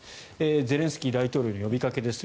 ゼレンスキー大統領の呼びかけです。